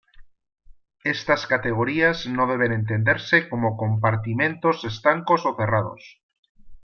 Estas categorías no deben entenderse como compartimentos estancos o cerrados.